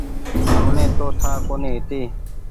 همني تو ٺآ ڪونيٚ هيتي۔